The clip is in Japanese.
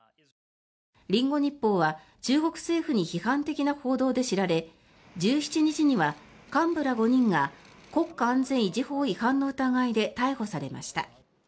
リンゴ日報は中国政府に批判的な報道で知られ１７日には幹部ら５人が国家安全維持法違反の疑いで逮捕されました。